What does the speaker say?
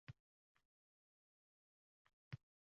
“Laylo” qo‘shig‘idan ikki qatorini aytdim